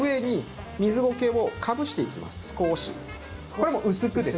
これも薄くです。